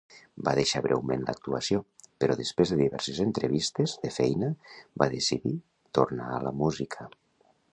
Va deixar breument l'actuació, però després de diverses entrevistes de feina va decidir tornar a la música.